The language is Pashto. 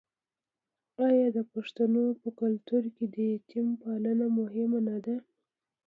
آیا د پښتنو په کلتور کې د یتیم پالنه مهمه نه ده؟